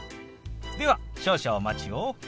では少々お待ちを。